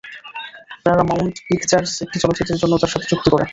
Paramount Pictures একটি চলচ্চিত্রের জন্য তার সাথে চুক্তি করে।